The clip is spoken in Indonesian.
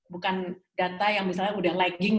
bukan data yang misalnya udah lagging